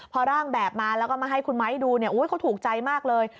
พอร่างแบบมาแล้วก็มาให้คุณไม้ดูเนี่ยเขาถูกใจมากเลย